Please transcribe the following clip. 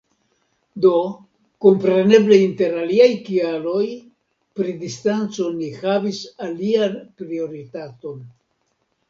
Do, kompreneble inter aliaj kialoj, pri distanco ni havis alian prioritaton.